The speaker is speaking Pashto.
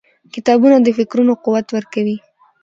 • کتابونه د فکرونو قوت ورکوي.